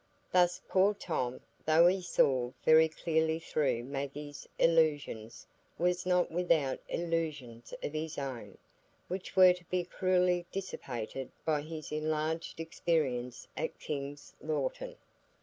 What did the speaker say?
Thus poor Tom, though he saw very clearly through Maggie's illusions, was not without illusions of his own, which were to be cruelly dissipated by his enlarged experience at King's Lorton.